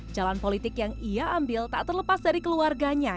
jalan politik yang ia ambil tak terlepas dari keluarganya